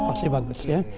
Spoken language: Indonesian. pasti bagus ya